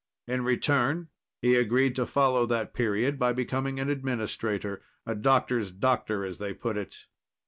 In return, he agreed to follow that period by becoming an administrator. A doctor's doctor, as they put it.